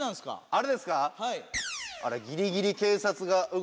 あれですか？